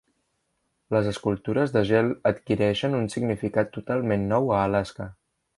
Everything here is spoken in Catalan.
Les escultures de gel adquireixen un significat totalment nou a Alaska.